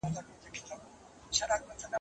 ما د سبا لپاره د ژبي تمرين کړی دی!.